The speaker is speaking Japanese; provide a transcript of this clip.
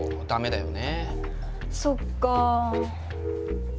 そっかあ。